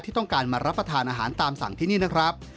ต้องการมารับประทานอาหารตามสั่งที่นี่นะครับ